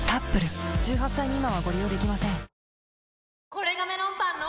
これがメロンパンの！